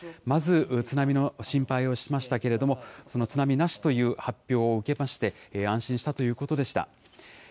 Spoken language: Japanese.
まず、津波の心配をしましたけれども、その津波なしという発表を受けまして、安心したということでした。